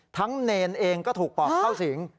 เนรเองก็ถูกปอบเข้าสิง